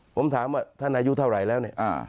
ผมถามว่าท่านอายุเท่าไหร่แล้วเนี่ย